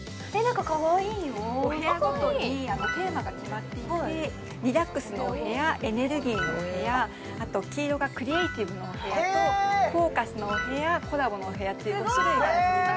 お部屋ごとにテーマが決まっていてリラックスのお部屋エネルギーのお部屋あと黄色がクリエイティブのお部屋とフォーカスのお部屋コラボのお部屋という５種類があります